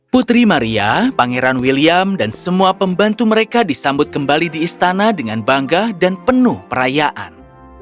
putri maria pangeran william dan semua pembantu mereka disambut kembali di istana dengan bangga dan penuh perayaan